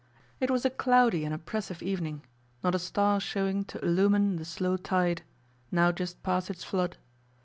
It was a cloudy and oppressive evening, not a star showing to illumine the slow tide, now just past its flood.